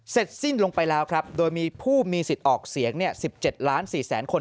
เสร็จสิ้นลงไปแล้วครับโดยมีผู้มีสิทธิ์ออกเสียง๑๗๔๐๐๐๐๐คน